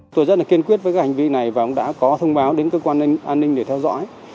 tôi rất kiên quyết với hành vi này và đã có thông báo đến cơ quan an ninh để theo dõi